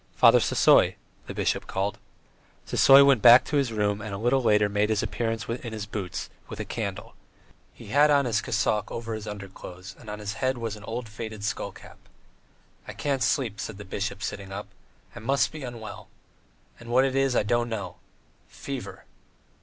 "Father Sisoy," the bishop called. Sisoy went back to his room and a little later made his appearance in his boots, with a candle; he had on his cassock over his underclothes and on his head was an old faded skull cap. "I can't sleep," said the bishop, sitting up. "I must be unwell. And what it is I don't know. Fever!"